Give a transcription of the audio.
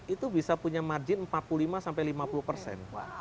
itu bisa punya margin empat puluh lima sampai lima puluh persen